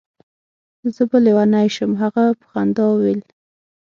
زه به لېونی شم. هغه په خندا وویل.